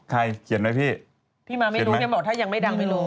พี่มาไม่รู้ยังบอกว่าถ้ายังไม่ดังไม่รู้